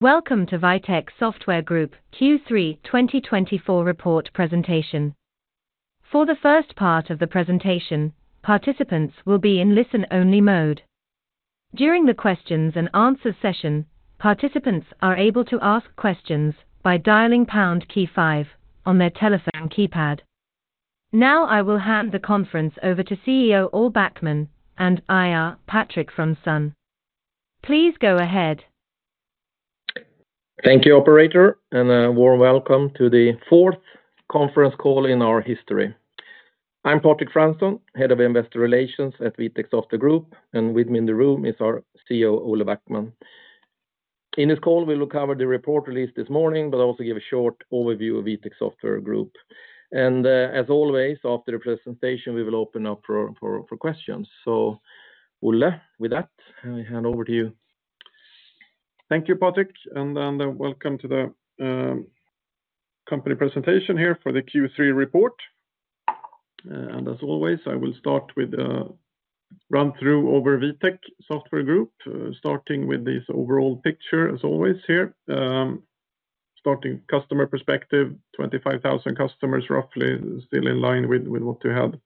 Welcome to Vitec Software Group Q3 2024 report presentation. For the first part of the presentation, participants will be in listen-only mode. During the questions and answers session, participants are able to ask questions by dialing pound key five on their telephone keypad. Now, I will hand the conference over to CEO, Olle Backman, and IR, Patrik Fransson. Please go ahead. Thank you, operator, and a warm welcome to the fourth conference call in our history. I'm Patrik Fransson, Head of Investor Relations at Vitec Software Group, and with me in the room is our CEO, Olle Backman. In this call, we will cover the report released this morning, but also give a short overview of Vitec Software Group. And, as always, after the presentation, we will open up for questions so Olle, with that, I hand over to you. Thank you, Patrik, and welcome to the company presentation here for the Q3 report. And as always, I will start with a run-through over Vitec Software Group, starting with this overall picture, as always here. Starting customer perspective, 25,000 customers, roughly still in line with what we had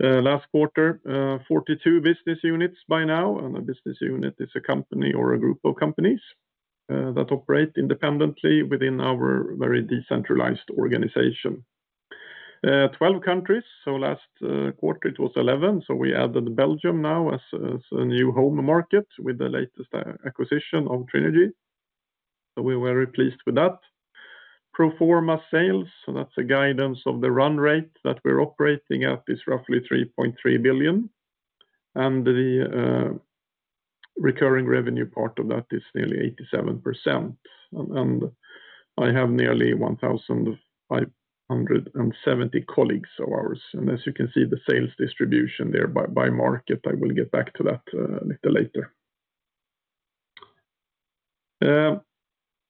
last quarter, 42 business units by now, and a business unit is a company or a group of companies. That operate independently within our very decentralized organization. 12 countries, so last quarter, it was 11 so we added Belgium now as a new home market with the latest acquisition of Trinergy. So we were replaced with that. Pro forma sales, so that's a guidance of the run rate that we're operating at, is roughly 3.3 billion, and the recurring revenue part of that is nearly 87% and I have nearly 1,570 colleagues of ours, and as you can see, the sales distribution there by market i will get back to that a little later.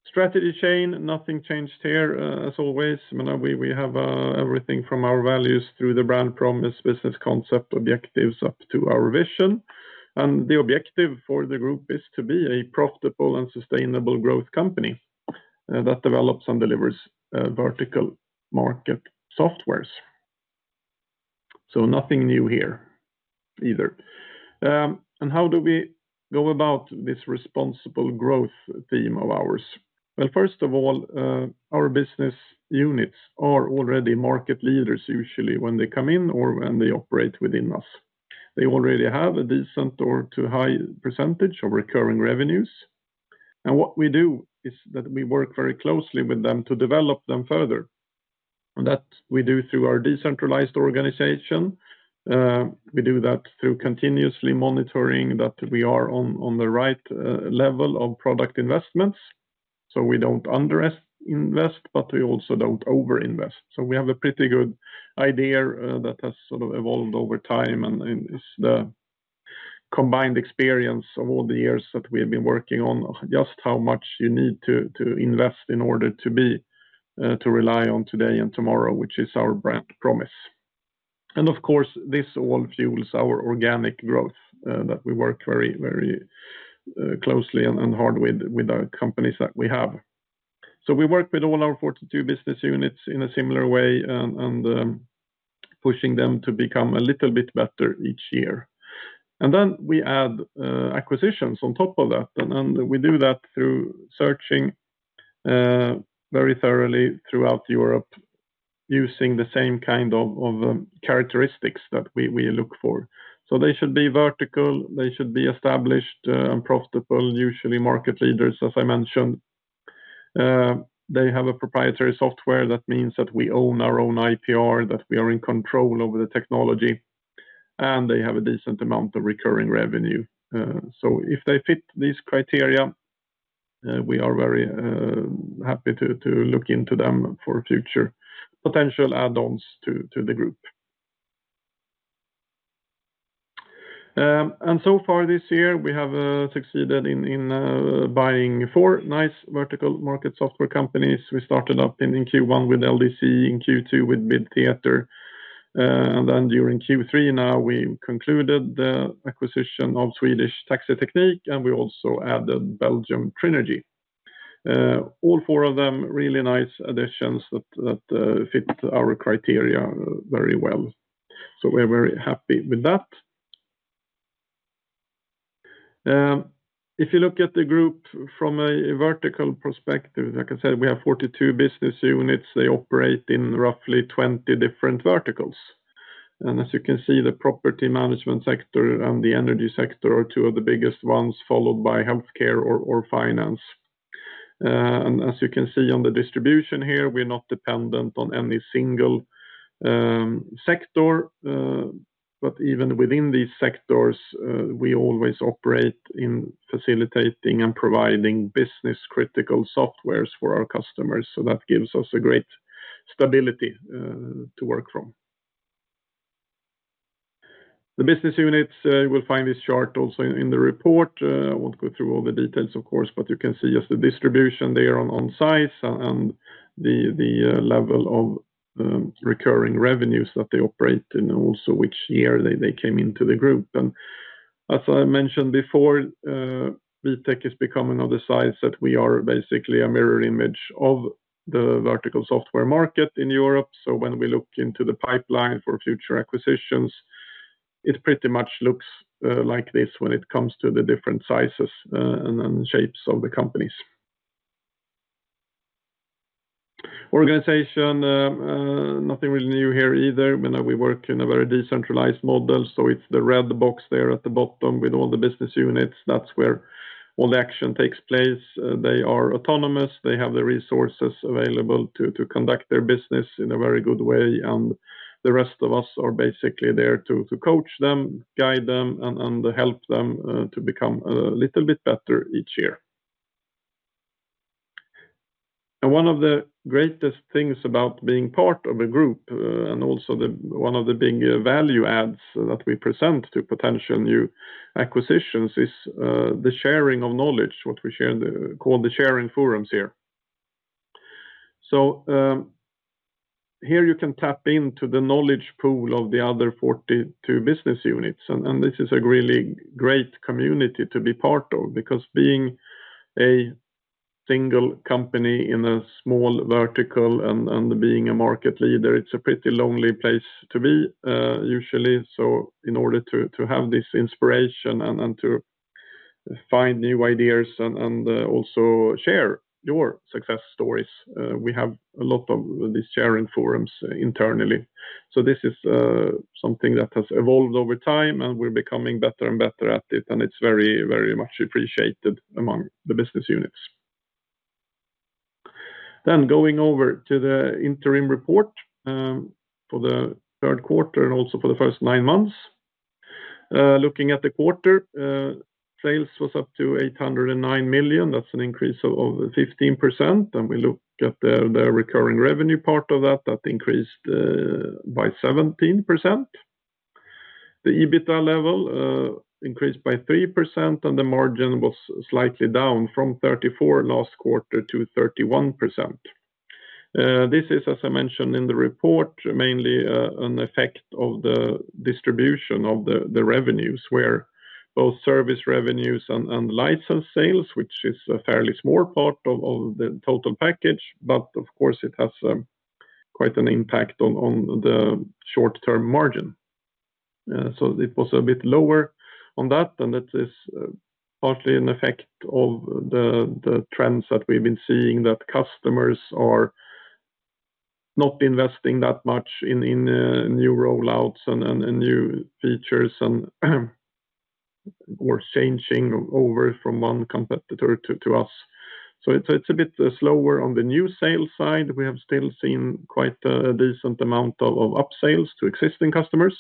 Strategy chain, nothing changed here. As always, you know, we have everything from our values through the brand promise, business concept, objectives, up to our vision. And the objective for the group is to be a profitable and sustainable growth company that develops and delivers vertical market softwares. So nothing new here either. And how do we go about this responsible growth theme of ours? Well, first of all. Our business units are already market leaders, usually, when they come in or when they operate within us. They already have a decent or too high percentage of recurring revenues. And what we do is that we work very closely with them to develop them further. And that we do through our decentralized organization. We do that through continuously monitoring that we are on the right level of product investments. So we don't under-invest, but we also don't over-invest so we have a pretty good idea that has sort of evolved over time, and it's the combined experience of all the years that we have been working on just how much you need to invest in order to be to rely on today and tomorrow, which is our brand promise. And of course, this all fuels our organic growth that we work very, very closely and hard with the companies that we have. So we work with all our 42 business units in a similar way and pushing them to become a little bit better each year. And then we add acquisitions on top of that, and we do that through searching very thoroughly throughout Europe, using the same kind of characteristics that we look for. So they should be vertical, they should be established and profitable, usually market leaders, as I mentioned. They have a proprietary software that means that we own our own IPR, that we are in control over the technology, and they have a decent amount of recurring revenue. So if they fit these criteria, we are very happy to look into them for future potential add-ons to the group. And so far this year, we have succeeded in buying four nice vertical market software companies we started up in Q1 with LDC, in Q2 with Bidtheater, and then during Q3 now, we concluded the acquisition of Swedish Taxiteknik, and we also added Belgian Trinergy. All four of them, really nice additions that fit our criteria very well. So we're very happy with that. If you look at the group from a vertical perspective, like I said, we have 42 business units they operate in roughly 20 different verticals. And as you can see, the property management sector and the energy sector are two of the biggest ones, followed by healthcare or finance. And as you can see on the distribution here, we're not dependent on any single sector, but even within these sectors, we always operate in facilitating and providing business-critical softwares for our customers so that gives us a great stability to work from. The business units, you will find this chart also in the report. I won't go through all the details, of course, but you can see just the distribution there on site and the level of recurring revenues that they operate, and also which year they came into the group. As I mentioned before, Vitec is becoming of the size that we are basically a mirror image of the vertical software market in Europe so when we look into the pipeline for future acquisitions, it pretty much looks like this when it comes to the different sizes and then shapes of the companies. Organization, nothing really new here either when we work in a very decentralized model, so it's the red box there at the bottom with all the business units, that's where all the action takes place they are autonomous, they have the resources available to conduct their business in a very good way, and the rest of us are basically there to coach them, guide them, and help them to become little bit better each year. One of the greatest things about being part of a group and also one of the big value adds that we present to potential new acquisitions is the sharing of knowledge, what we call the sharing forums here. Here you can tap into the knowledge pool of the other 42 business units, and this is a really great community to be part of, because being a single company in a small vertical and being a market leader, it's a pretty lonely place to be, usually, In order to have this inspiration and to find new ideas and also share your success stories, we have a lot of these sharing forums internally. So this is something that has evolved over time, and we're becoming better and better at it, and it's very, very much appreciated among the business units. Then going over to the interim report for the Q3 and also for the first nine months. Looking at the quarter, sales was up to 809 million that's an increase of over 15%, and we look at the recurring revenue part of that that increased by 17%. The EBITDA level increased by 3%, and the margin was slightly down from 34% last quarter to 31%. This is, as I mentioned in the report, mainly an effect of the distribution of the revenues, where both service revenues and license sales, which is a fairly small part of the total package, but of course it has quite an impact on the short-term margin, so it was a bit lower on that, and it is partly an effect of the trends that we've been seeing, that customers are not investing that much in new rollouts and new features, or changing over from one competitor to us, so it's a bit slower on the new sales side we have still seen quite a decent amount of upsales to existing customers.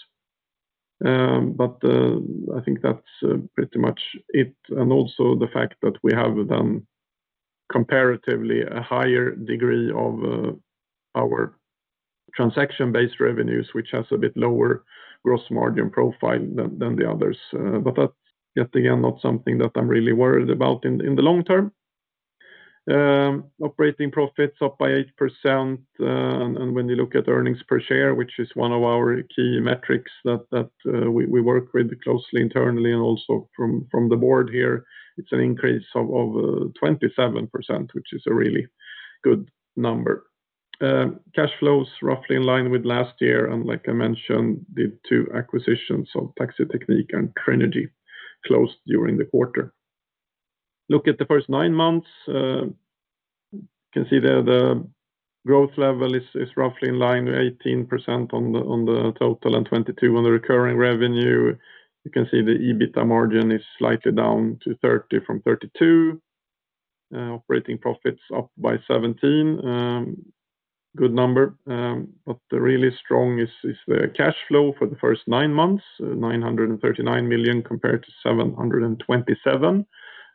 I think that's pretty much it, and also the fact that we have done comparatively a higher degree of our transaction-based revenues, which has a bit lower gross margin profile than the others, but that yet again not something that I'm really worried about in the long term. Operating profits up by 8%, and when you look at earnings per share, which is one of our key metrics that we work with closely internally and also from the board here, it's an increase of 27%, which is a really good number. Cash flows roughly in line with last year, and like I mentioned, the two acquisitions of Taxiteknik and Trinergy closed during the quarter. Look at the first nine months. You can see that the growth level is roughly in line, 18% on the total and 22% on the recurring revenue. You can see the EBITDA margin is slightly down to 30% from 32%. Operating profits up by 17%. Good number, but the really strong is the cash flow for the first nine months, 939 million compared to 727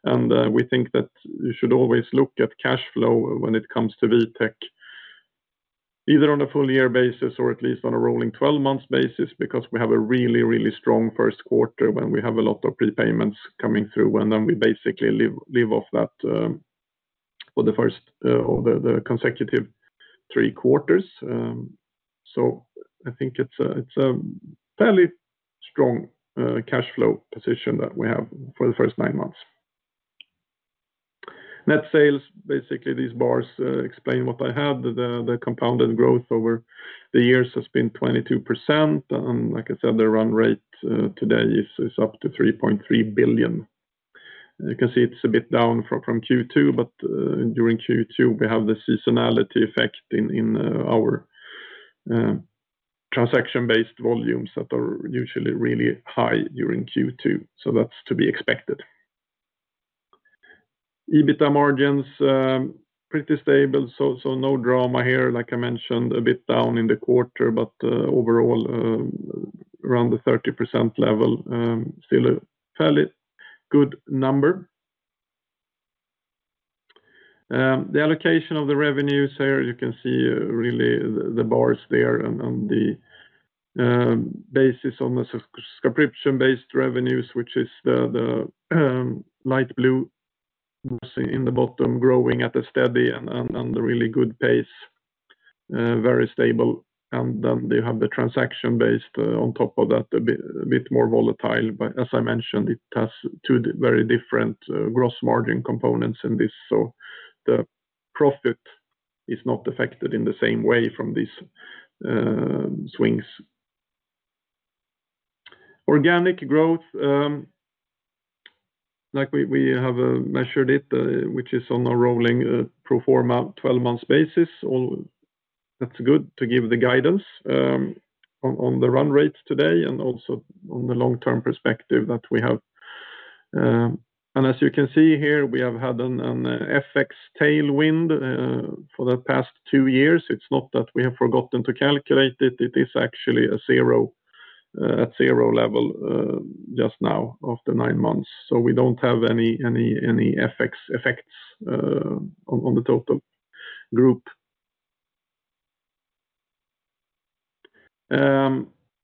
million. We think that you should always look at cash flow when it comes to Vitec. Either on a full year basis or at least on a rolling twelve-month basis, because we have a really, really strong Q1 when we have a lot of prepayments coming through, and then we basically live off that for the consecutive three quarters. So I think it's a, it's a fairly strong cash flow position that we have for the first nine months. Net sales, basically, these bars explain what I have the compounded growth over the years has been 22%, and like I said, the run rate today is up to 3.3 billion. You can see it's a bit down from Q2, but during Q2, we have the seasonality effect in our transaction-based volumes that are usually really high during Q2, so that's to be expected. EBITDA margins pretty stable, so no drama here like I mentioned, a bit down in the quarter, but overall around the 30% level, still a fairly good number. The allocation of the revenues here, you can see, really the bars there on the basis on the subscription-based revenues, which is the light blue in the bottom, growing at a steady and a really good pace. Very stable, and then they have the transaction based on top of that, a bit more volatile but as I mentioned, it has two very different gross margin components in this, so the profit is not affected in the same way from these swings. Organic growth, like we have measured it, which is on a rolling pro forma twelve-month basis, or that's good to give the guidance on the run rate today and also on the long-term perspective that we have. And as you can see here, we have had an FX tailwind for the past two years it's not that we have forgotten to calculate it, it is actually a zero at zero level just now after nine months so we don't have any FX effects on the total group.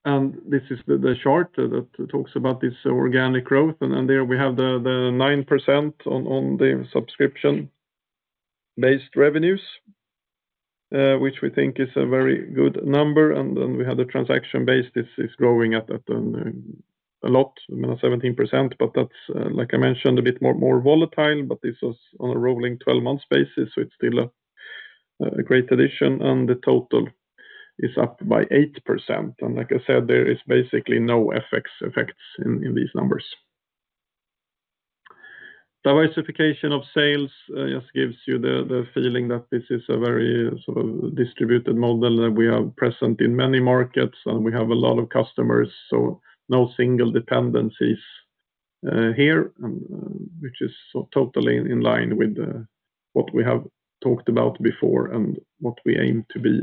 And this is the chart that talks about this organic growth, and then there we have the 9% on the subscription-based revenues. Which we think is a very good number, and then we have the transaction-based this is growing at a lot 17%, but that's, like I mentioned, a bit more volatile, but this was on a rolling 12-month basis, so it's still a great addition, and the total is up by 8% and like I said, there is basically no FX effects in these numbers. Diversification of sales just gives you the feeling that this is a very sort of distributed model, that we are present in many markets, and we have a lot of customers, so no single dependencies here, and which is so totally in line with what we have talked about before and what we aim to be.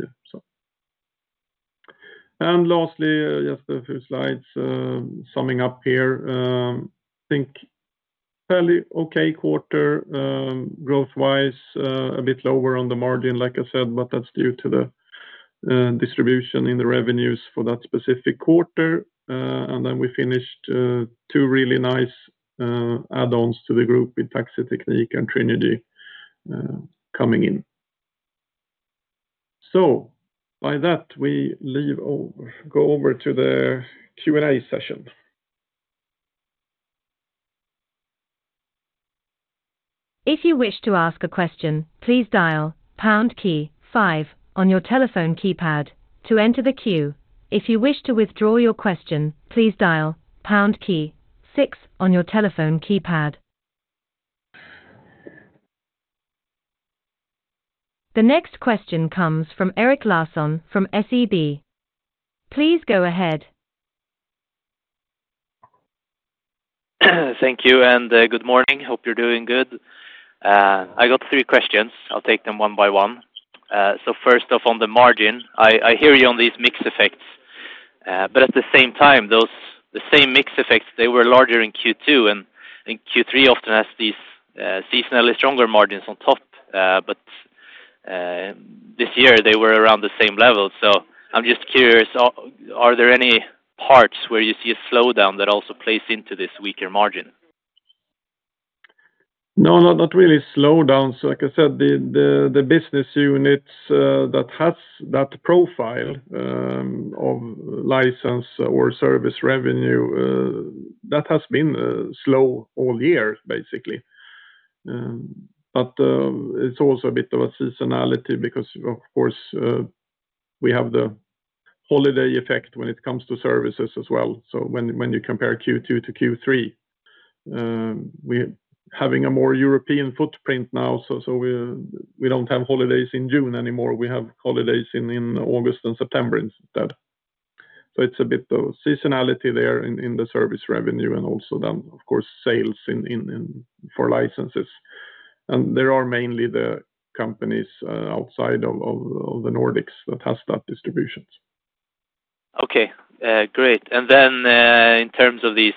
And lastly, just a few slides summing up here. Think fairly okay quarter, growth-wise, a bit lower on the margin, like I said, but that's due to the distribution in the revenues for that specific quarter. And then we finished two really nice add-ons to the group with Taxiteknik and Trinergy coming in. So by that, we go over to the Q&A session. If you wish to ask a question, please dial pound key five on your telephone keypad to enter the queue. If you wish to withdraw your question, please dial pound key six on your telephone keypad. The next question comes from Erik Larsson, from SEB. Please go ahead. Thank you, and good morning hope you're doing good. I got three questions. I'll take them one by one so first off, on the margin, I hear you on these mix effects, but at the same time, those same mix effects, they were larger in Q2, and Q3 often has these seasonally stronger margins on top. But this year they were around the same level. So I'm just curious, are there any parts? where you see a slowdown that also plays into this weaker margin? No, no, not really slowdowns like I said, the business units that has that profile of license or service revenue that has been slow all year, basically, but it's also a bit of a seasonality because, of course, we have the holiday effect when it comes to services as well, so when you compare Q2 to Q3. We're having a more European footprint now, so we don't have holidays in June anymore we have holidays in August and September instead, so it's a bit of seasonality there in the service revenue and also then, of course, sales in... for licenses, and there are mainly the companies outside of the Nordics that has that distributions. Okay, great. And then, in terms of these,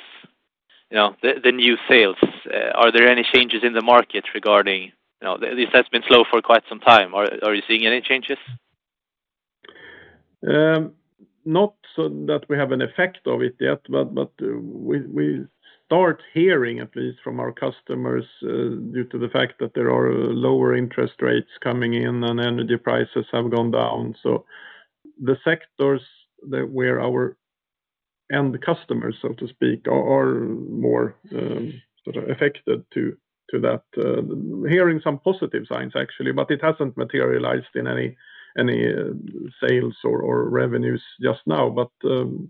you know, the new sales, are there any changes in the market regarding... You know, this has been slow for quite some time are you seeing any changes? Not so that we have an effect of it yet, but we start hearing at least from our customers due to the fact that there are lower interest rates coming in and energy prices have gone down, so the sectors where our end customers, so to speak, are more sort of affected by that, hearing some positive signs, actually, but it hasn't materialized in any sales or revenues just now.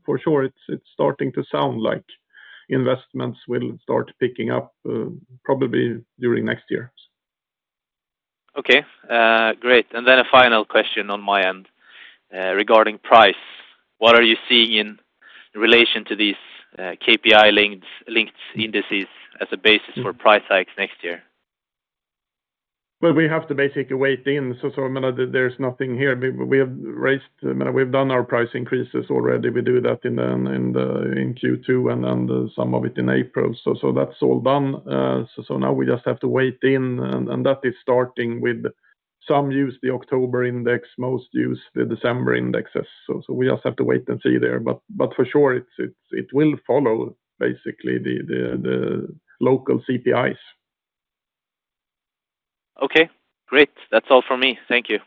For sure, it's starting to sound like investments will start picking up, probably during next year. Okay, great. And then a final question on my end, regarding price. What are you seeing? in relation to these KPI-linked indices as a basis for price hikes next year? We have to basically wait and see, so there's nothing here we have raised. We've done our price increases already we do that in Q2 and then some of it in April, so that's all done. Now we just have to wait and see, and that is starting some use the October index, most use the December indexes. we just have to wait and see there, But for sure, it will follow basically the local CPIs.... Okay, great. That's all from me. Thank you.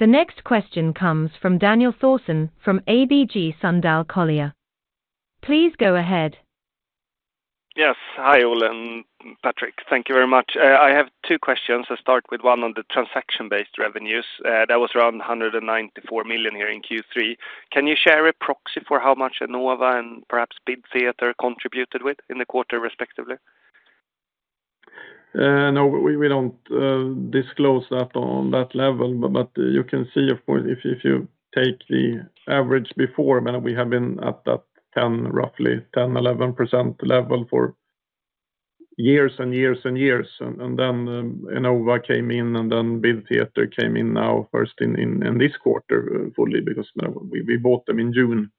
The next question comes from Daniel Thorsson from ABG Sundal Collier. Please go ahead. Yes. Hi, Olle and Patrik thank you very much. I have two questions i'll start with one on the transaction-based revenues. That was around 194 million here in Q3. Can you share? a proxy for how much Enova and perhaps Bidtheater contributed with in the quarter, respectively? No, we don't disclose that on that level but you can see, of course, if you take the average before, but we have been at that 10, roughly 10, 11% level for years and years and years, and then Enova came in, and then Bidtheater came in now, first in this quarter, fully, because now we bought them in June.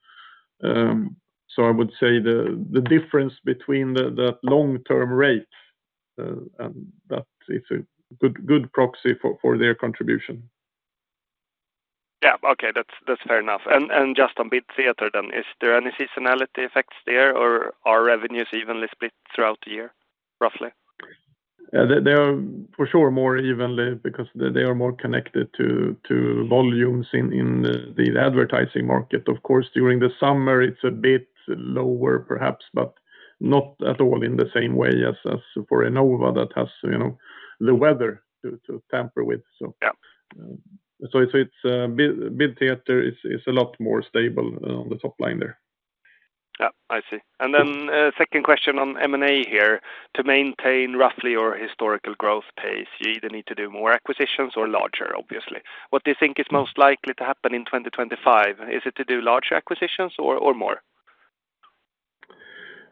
So I would say the difference between that long-term rate and that is a good proxy for their contribution. Yeah. Okay, that's, that's fair enough and, and just on Bidtheater then, is there any seasonality effects there, or are revenues evenly split throughout the year, roughly? Yeah, they are for sure more evenly because they are more connected to volumes in the advertising market of course, during the summer it's a bit lower, perhaps, but not at all in the same way as for Enova that has, you know, the weather to tamper with so. Yeah. So it's Bidtheater is a lot more stable on the top line there. Yeah, I see. And then, second question on M&A here to maintain roughly your historical growth pace, you either need to do more acquisitions or larger, obviously. What do you think is most likely to happen in twenty twenty-five? Is it to do larger acquisitions or, or more?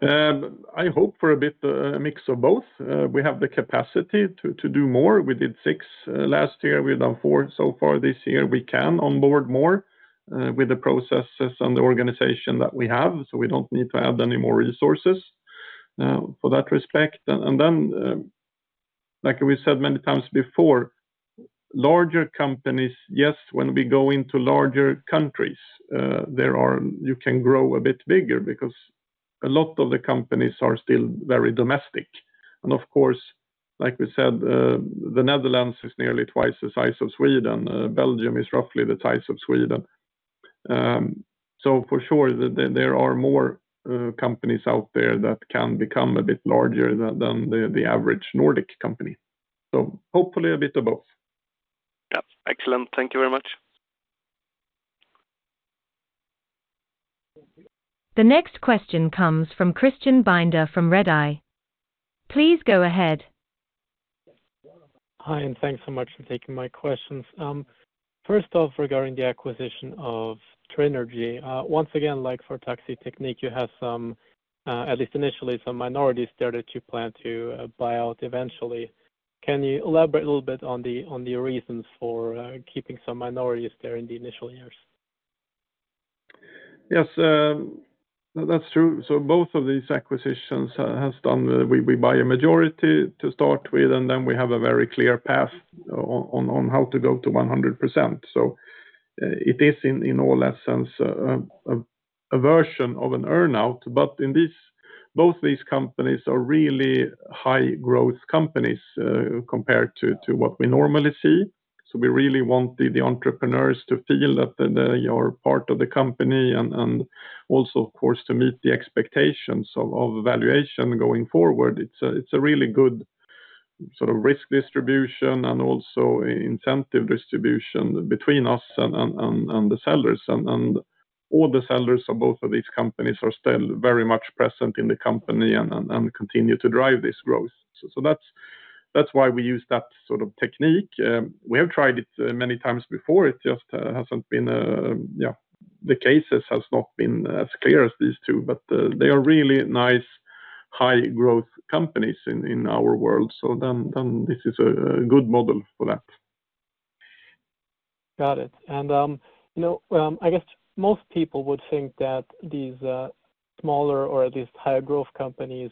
I hope for a bit, a mix of both. We have the capacity to do more we did six last year we've done four so far this year e can onboard more. With the processes and the organization that we have, so we don't need to add any more resources. For that respect and then, like we said many times before, larger companies, yes, when we go into larger countries, there are you can grow a bit bigger because a lot of the companies are still very domestic. And of course, like we said, the Netherlands is nearly twice the size of Sweden, Belgium is roughly the size of Sweden. So for sure, there are more companies out there that can become a bit larger than the average Nordic company. So hopefully a bit of both. Yeah. Excellent. Thank you very much. The next question comes from Christian Binder from Redeye. Please go ahead. Hi, and thanks so much for taking my questions. First off, regarding the acquisition of Trinergy, once again, like for Taxiteknik, you have some, at least initially, some minorities there that you plan to buy out eventually. Can you elaborate? a little bit on the reasons for keeping some minorities there in the initial years? Yes, that's true so both of these acquisitions has done we buy a majority to start with, and then we have a very clear path on how to go to 100%. So it is in all essence a version of an earn-out, but in this both these companies are really high growth companies compared to what we normally see. So we really want the entrepreneurs to feel that they are part of the company and also, of course, to meet the expectations of valuation going forward it's a really good sort of risk distribution and also incentive distribution between us and the sellers. And all the sellers of both of these companies are still very much present in the company and continue to drive this growth. So that's why we use that sort of technique. We have tried it many times before, it just hasn't been. Yeah, the cases has not been as clear as these two, but they are really nice, high growth companies in our world so then this is a good model for that. Got it. And, you know, I guess most people would think that these, smaller or at least higher growth companies,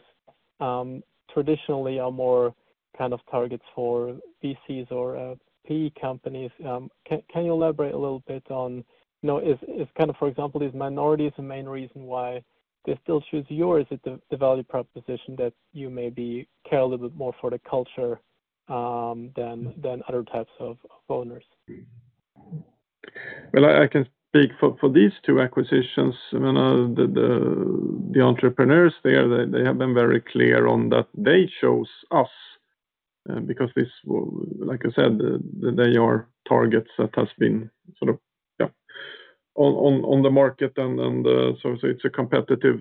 traditionally are more kind of targets for VCs or, PE companies. Can you elaborate a little bit on? you know, if kinda, for example, these minorities, the main reason why they still choose you, or is it the value proposition that you maybe care a little bit more for the culture, than other types of owners? I can speak for these two acquisitions. The entrepreneurs there have been very clear on that they chose us because this will, like I said, they are targets that has been sort of on the market and so it's a competitive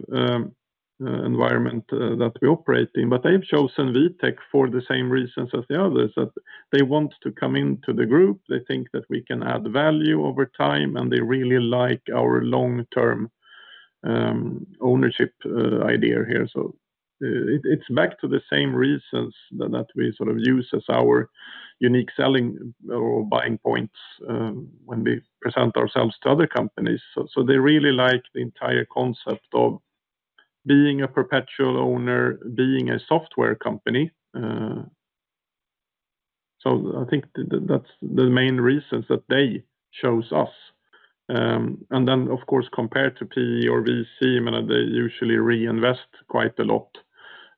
environment that we operate in but they've chosen Vitec for the same reasons as the others, that they want to come into the group they think that we can add value over time, and they really like our long-term ownership idea here. So it is back to the same reasons that we sort of use as our unique selling or buying points when we present ourselves to other companies so they really like the entire concept of being a perpetual owner, being a software company. I think that's the main reasons that they chose us. Then, of course, compared to PE or VC, I mean, they usually reinvest quite a lot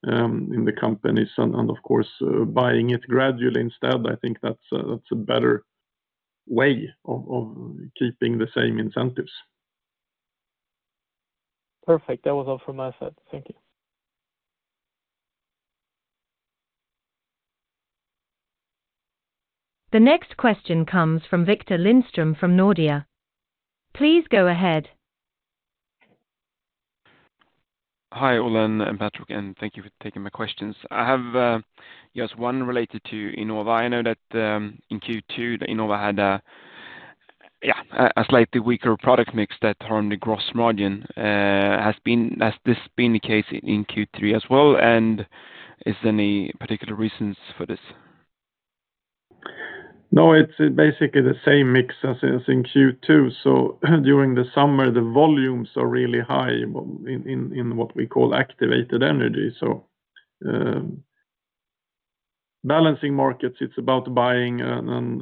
in the companies, and of course, buying it gradually instead i think that's a better way of keeping the same incentives. Perfect. That was all from my side. Thank you. The next question comes from Victor Lindström from Nordea. Please go ahead. Hi, Olle and Patrik, and thank you for taking my questions. I have just one related to Enova know that in Q2, Enova had a slightly weaker product mix that harmed the gross margin. Has this been the case in Q3 as well? And is there any particular reasons for this? No, it's basically the same mix as is in Q2. So during the summer, the volumes are really high in what we call activated energy. So, balancing markets, it's about buying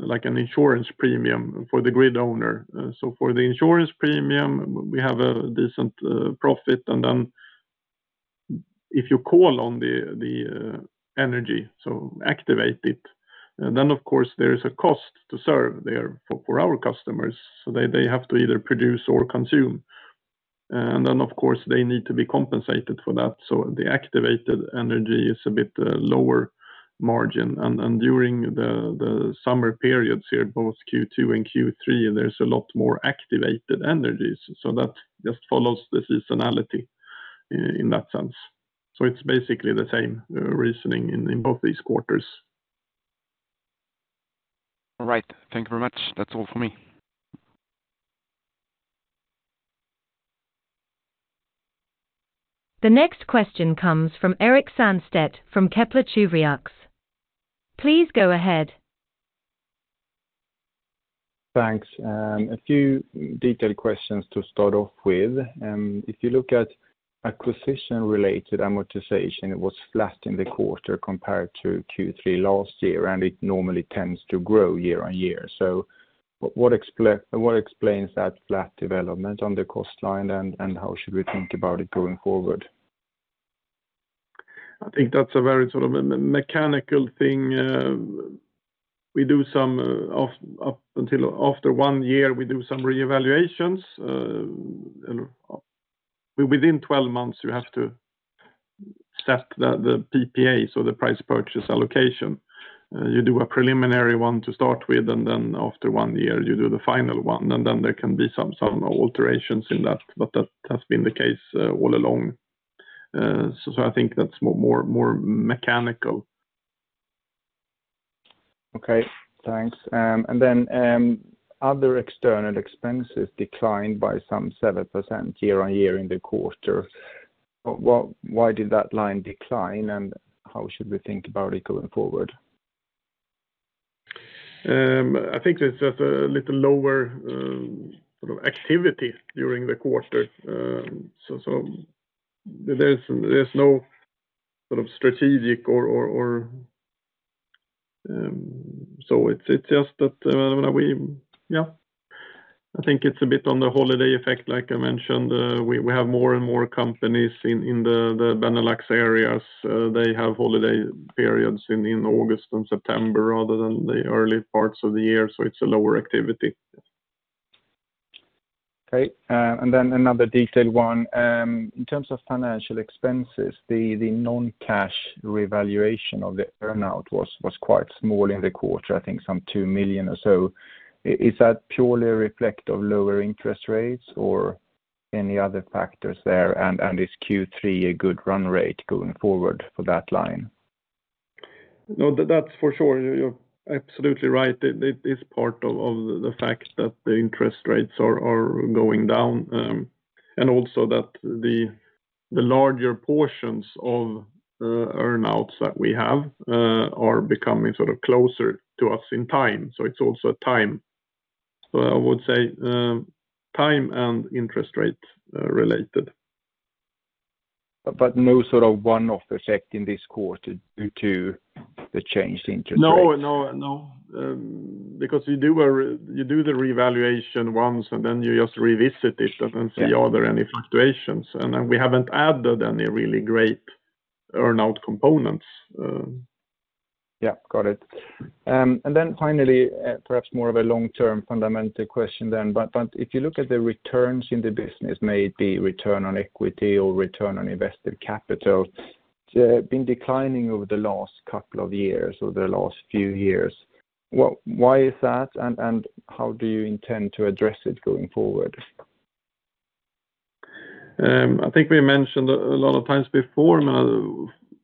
like an insurance premium for the grid owner so for the insurance premium, we have a decent profit, and then if you call on the energy, so activate it, then, of course, there is a cost to serve there for our customers, so they have to either produce or consume. And then, of course, they need to be compensated for that, so the activated energy is a bit lower margin and during the summer periods here, both Q2 and Q3, there's a lot more activated energies so that just follows the seasonality in that sense. So it's basically the same reasoning in both these quarters. All right. Thank you very much. That's all for me. The next question comes from Erik Sandstedt from Kepler Cheuvreux. Please go ahead. Thanks. A few detailed questions to start off with. If you look at acquisition-related amortization, it was flat in the quarter compared to Q3 last year, and it normally tends to grow year on year. So what explains that flat development on the cost line, and how should we think about it going forward? I think that's a very sort of a mechanical thing. We do some reevaluations up until after one year within twelve months, you have to set the PPA, so the purchase price allocation. You do a preliminary one to start with, and then after one year, you do the final one, and then there can be some alterations in that, but that has been the case all along. I think that's more mechanical. Okay, thanks. And then, other external expenses declined by some 7% year on year in the quarter. Why did that line decline, and how should we think about it going forward? I think it's just a little lower, sort of activity during the quarter. So there's no sort of strategic or. So it's just that, yeah, I think it's a bit on the holiday effect like I mentioned. We have more and more companies in the Benelux areas. They have holiday periods in August and September, rather than the early parts of the year, so it's a lower activity. Okay, and then another detailed one. In terms of financial expenses, the non-cash revaluation of the earn-out was quite small in the quarter, I think some 2 million or so. Is that purely a reflection of lower interest rates? or any other factors there, and is Q3 a good run rate going forward for that line? No, that's for sure you're absolutely right it is part of the fact that the interest rates are going down, and also that the larger portions of earn-outs that we have are becoming sort of closer to us in time. So it's also time. So I would say time and interest rate related. But no sort of one-off effect in this quarter due to the change in interest rates? No, no, no. Because you do the revaluation once, and then you just revisit it and see, are there any fluctuations? And then we haven't added any really great earn-out components. Yeah, got it. And then finally, perhaps more of a long-term fundamental question then, but if you look at the returns in the business, maybe return on equity or return on invested capital, been declining over the last couple of years or the last few years. Well, why is that, and how do you intend to address it going forward? I think we mentioned a lot of times before,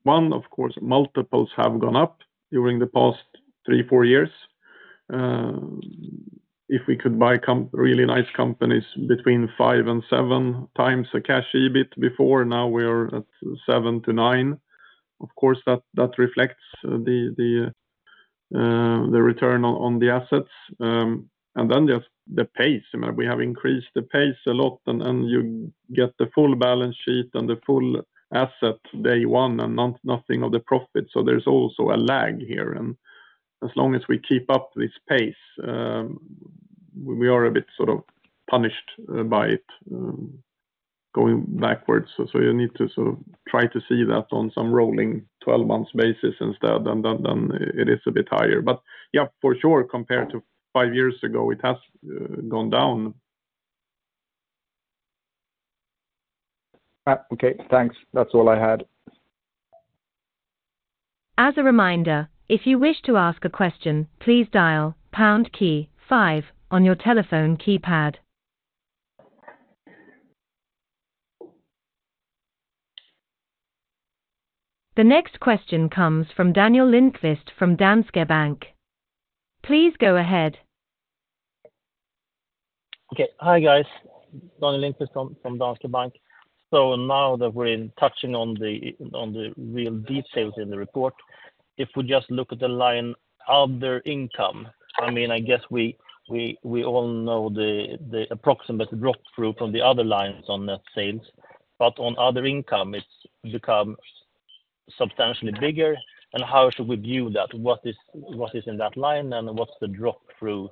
one, of course, multiples have gone up during the past three, four years. If we could buy really nice companies between five and seven times the Cash EBIT before, now we are at seven to nine. Of course, that reflects the return on the assets. And then just the pace i mean, we have increased the pace a lot, and you get the full balance sheet and the full asset, day one, and nothing of the profit so there's also a lag here. And as long as we keep up this pace, we are a bit sort of punished by it, going backwards so you need to sort of try to see that on some rolling twelve-month basis instead, and then it is a bit higher. But, yeah, for sure, compared to five years ago, it has gone down. Okay, thanks. That's all I had. As a reminder, if you wish to ask a question, please dial pound key five on your telephone keypad. The next question comes from Daniel Lindquist from Danske Bank. Please go ahead. Okay. Hi, guys. Daniel Lindquist from Danske Bank. Now that we're touching on the real details in the report, if we just look at the line, other income. I mean, I guess we all know the approximate drop-through from the other lines on net sales, but on other income, it's become substantially bigger. And how should we view that? What is in that line, and what's the drop-through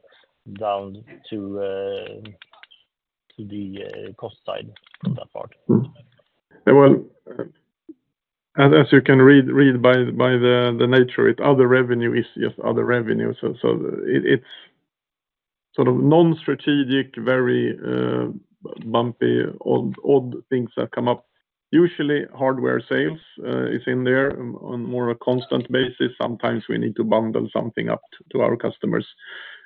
down to the cost side of that part? As you can read by the nature, the other revenue is just other revenue, so it's sort of non-strategic, very bumpy, odd things that come up. Usually, hardware sales is in there on a more constant basis sometimes we need to bundle something up to our customers.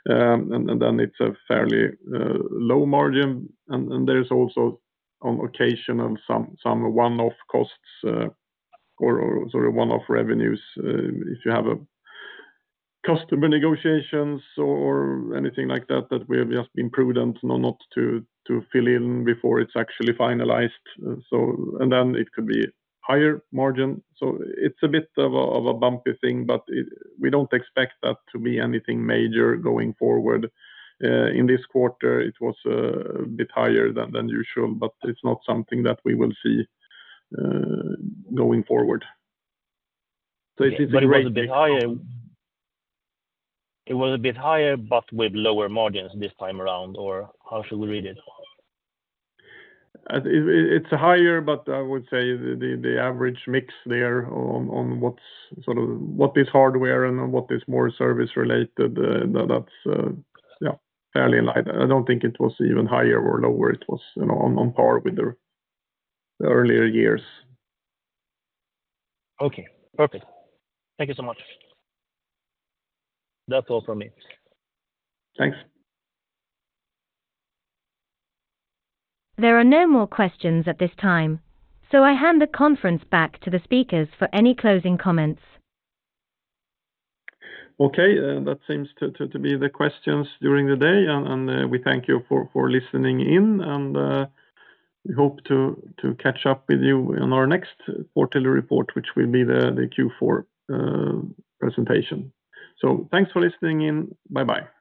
And then it's a fairly low margin, and there's also an occasional some one-off costs, or sorry, one-off revenues. If you have customer negotiations or anything like that that we have just been prudent not to fill in before it's actually finalized. And then it could be higher margin it's a bit of a bumpy thing, but we don't expect that to be anything major going forward. In this quarter, it was a bit higher than usual, but it's not something that we will see going forward. So it is a great- But it was a bit higher. It was a bit higher, but with lower margins this time around, or how should we read it? It's higher, but I would say the average mix there on what's sort of what is hardware and what is more service related, that's yeah, fairly light i don't think it was even higher or lower. It was, you know, on par with the earlier years. Okay, perfect. Thank you so much. That's all from me. Thanks. There are no more questions at this time, so I hand the conference back to the speakers for any closing comments. Okay, that seems to be the questions during the day, and we thank you for listening in, and we hope to catch up with you on our next quarterly report, which will be the Q4 presentation. So thanks for listening in. Bye-bye.